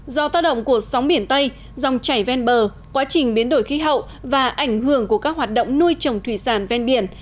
do tác động của sóng biển tây dòng chảy ven bờ quá trình biến đổi khí hậu và ảnh hưởng của các hoạt động nuôi trồng thủy sản ven biển